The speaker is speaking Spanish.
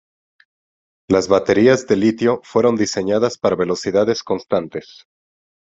Las baterías de litio fueron diseñadas para velocidades constantes.